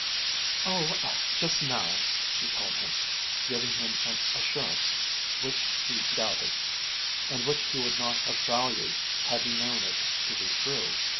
"Oh, just now," she told him, giving him an assurance which he doubted, and which he would not have valued had he known it to be true.